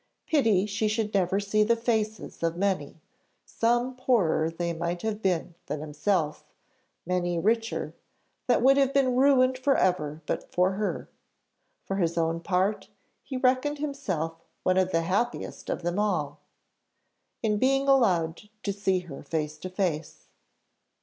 Pity she should never see the faces of many, some poorer they might have been than himself; many richer, that would have been ruined for ever but for her. For his own part, he reckoned himself one of the happiest of them all, in being allowed to see her face to face.